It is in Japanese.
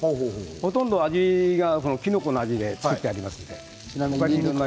ほとんど味がきのこの味で作ってありますので。